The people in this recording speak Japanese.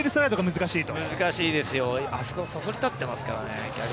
難しいですよ、あそこ、そそり立ってますからね、高い。